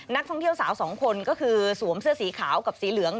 นักท่องเที่ยวสาวสองคนก็คือสวมเสื้อสีขาวกับสีเหลือง